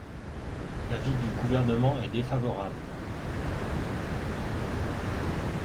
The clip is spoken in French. L’avis du Gouvernement est défavorable.